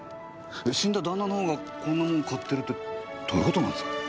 死んだ旦那のほうがこんなもん買ってるってどういう事なんですか？